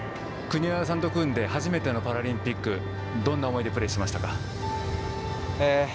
国枝選手と組んで初めてのパラリンピックどんな思いでプレーしましたか。